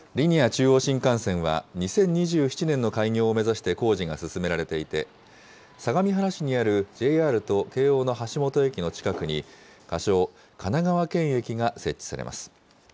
中央新幹線は、２０２７年の開業を目指して工事が進められていて、相模原市にあるＪＲと京王の橋本駅の近くに、仮称、神奈川県駅が設置されます。